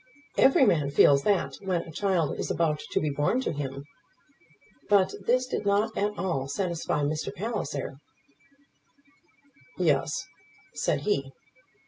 "Every man feels that when a child is about to be born to him." But this did not at all satisfy Mr. Palliser. "Yes," said he.